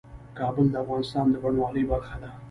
کابل د افغانستان د بڼوالۍ برخه ده.